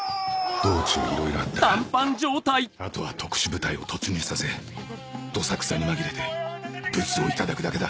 道中いろいろあったがあとは特殊部隊を突入させどさくさに紛れてブツを頂くだけだ